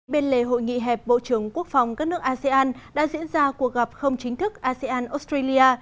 bên lề hội nghị hẹp bộ trưởng quốc phòng các nước asean đã diễn ra cuộc gặp không chính thức asean australia